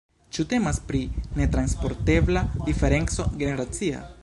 Ĉu temas pri netranspontebla diferenco generacia?